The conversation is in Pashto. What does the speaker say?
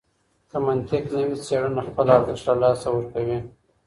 که منطق نه وي څېړنه خپل ارزښت له لاسه ورکوي.